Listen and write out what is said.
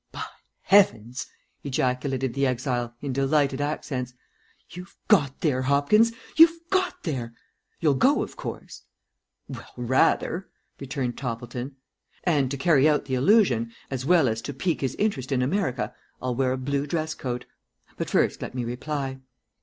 '" "By heavens!" ejaculated the exile, in delighted accents, "you've got there, Hopkins, you've got there. You'll go, of course?" "Well, rather," returned Toppleton; "and to carry out the illusion, as well as to pique his interest in America, I'll wear a blue dress coat. But first let me reply."